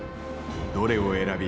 どれを選び